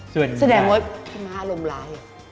แสดงว่าพี่ม้าอารมณ์ร้าย